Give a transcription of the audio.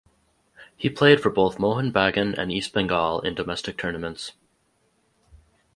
He played for both Mohun Bagan and East Bengal in domestic tournaments.